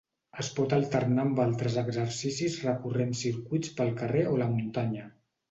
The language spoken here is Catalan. Es pot alternar amb altres exercicis recorrent circuits pel carrer o la muntanya.